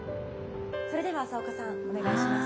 それでは朝岡さんお願いします。